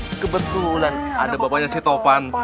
eh kebetulan ada bapaknya sih taufan